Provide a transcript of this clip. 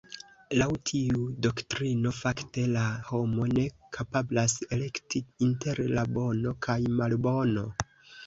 Laŭ tiu doktrino, fakte, la homo ne kapablas elekti inter la bono kaj malbono.